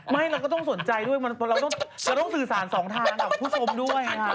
เราก็ต้องสนใจด้วยเราต้องสื่อสารสองทางกับผู้ชมด้วย